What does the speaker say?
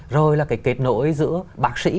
rồi là kết nối giữa bác sĩ